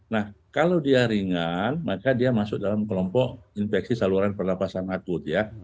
nah kalau dia ringan maka dia masuk dalam kelompok infeksi saluran pernafasan akut ya